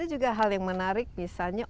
ada juga hal yang menarik misalnya